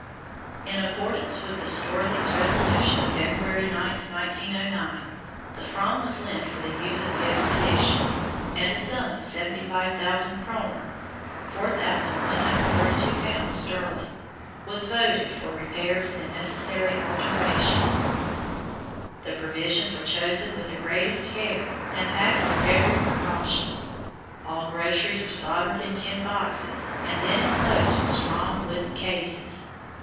In accordance with the Storthing's resolution of February 9, 1909, the Fram was lent for the use of the expedition, and a sum of 75,000 kroner (4,132 pounds sterling) was voted for repairs and necessary alterations. The provisions were chosen with the greatest care, and packed with every precaution. All groceries were soldered in tin boxes, and then enclosed in strong wooden cases.